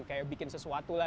kayak bikin sesuatu lah